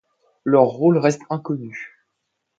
Leur rôle reste inconnu.